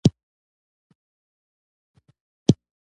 د جګړې ډګرونه ګرم شول.